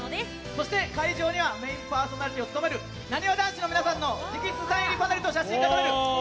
そして、会場にはメインパーソナリティーを務めるなにわ男子の皆さんの直筆サイン入りパネルと写真が撮れる